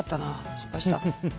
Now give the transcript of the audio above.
失敗した。